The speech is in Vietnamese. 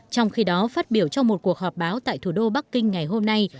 trong khi đó phát biểu trong một cuộc họp báo tại thủ đô bắc kinh ngày hôm nay